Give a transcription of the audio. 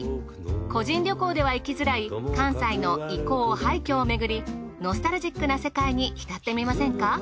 個人旅行では行きづらい関西の遺構・廃墟をめぐりノスタルジックな世界に浸ってみませんか？